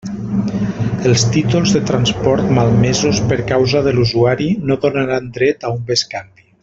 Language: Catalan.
Els títols de transport malmesos per causa de l'usuari no donaran dret a un bescanvi.